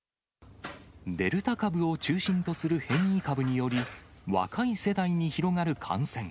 デルタ株を中心とする変異株により、若い世代に広がる感染。